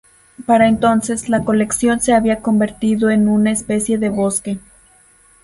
Para entonces, la colección se había convertido en una especie de bosque.